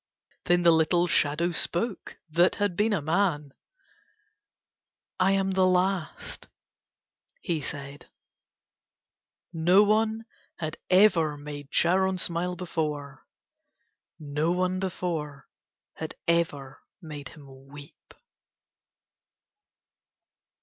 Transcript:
Then the little shadow spoke, that had been a man. "I am the last," he said. No one had ever made Charon smile before, no one before had ever made him weep.